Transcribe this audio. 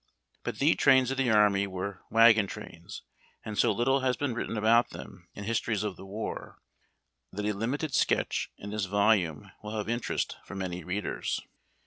But the trains of the army were w a^'ow trains, and so little has been written about them in histories of the war that a limited sketch in this volume will have interest for many readers.